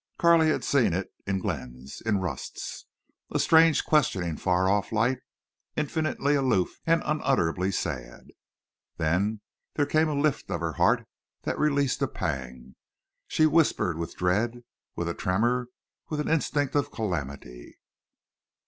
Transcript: Carley had seen it in Glenn's, in Rust's—a strange, questioning, far off light, infinitely aloof and unutterably sad. Then there came a lift of her heart that released a pang. She whispered with dread, with a tremor, with an instinct of calamity.